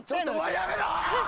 やめろ！